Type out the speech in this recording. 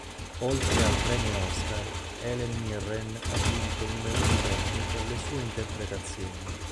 Oltre al premio Oscar, Helen Mirren ha vinto numerosi premi per le sue interpretazioni.